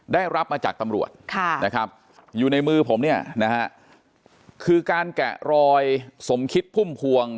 ได้รับมาจากตำรวจนะครับอยู่ในมือผมเนี่ยนะฮะคือการแกะรอยสมคิดพุ่มพวง